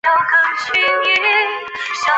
另外较特别的是它的与是连接在一起的。